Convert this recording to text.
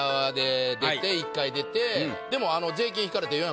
でも。